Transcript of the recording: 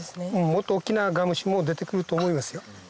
もっと大っきなガムシも出てくると思いますよ。